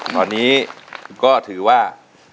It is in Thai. ตอนนี้ก็ถือว่า